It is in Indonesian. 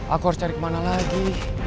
aku harus cari kemana lagi